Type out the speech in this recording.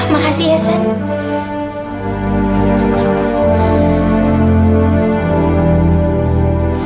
makasih ya sam